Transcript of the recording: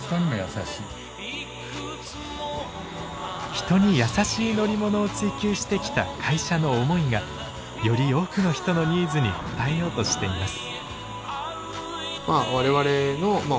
人に優しい乗り物を追求してきた会社の思いがより多くの人のニーズに応えようとしています。